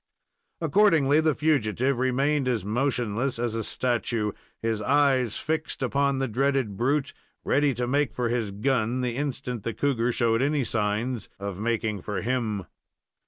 Accordingly, the fugitive remained as motionless as a statue, his eyes fixed upon the dreaded brute, ready to make for his gun the instant the cougar showed any sign of making for him.